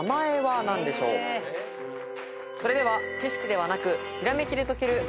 それでは知識ではなく。